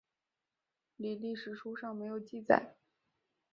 李历史书上没有记载。